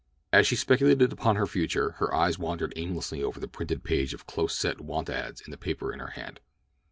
As she speculated upon her future, her eyes wandered aimlessly over the printed page of close set want ads in the paper in her hand.